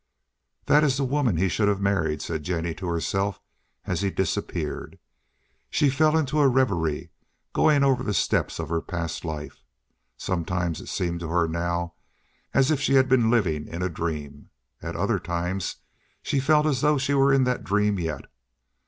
"That is the woman he should have married," said Jennie to herself as he disappeared. She fell into a reverie, going over the steps of her past life. Sometimes it seemed to her now as if she had been living in a dream. At other times she felt as though she were in that dream yet.